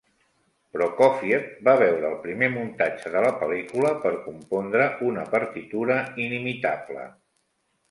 Prokófiev va veure el primer muntatge de la pel·lícula per compondre una partitura inimitable.